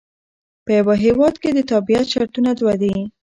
په یوه هیواد کښي د تابیعت شرطونه دوه دي.